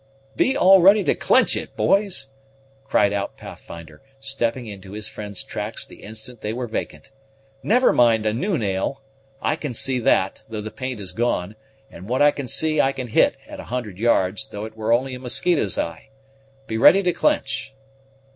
"Be all ready to clench it, boys!" cried out Pathfinder, stepping into his friend's tracks the instant they were vacant. "Never mind a new nail; I can see that, though the paint is gone, and what I can see I can hit, at a hundred yards, though it were only a mosquito's eye. Be ready to clench!"